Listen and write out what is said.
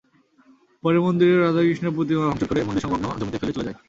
পরে মন্দিরের রাধাকৃষ্ণের প্রতিমা ভাঙচুর করে মন্দির-সংলগ্ন জমিতে ফেলে চলে যায়।